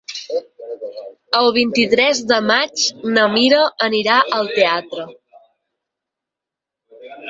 El vint-i-tres de maig na Mira anirà al teatre.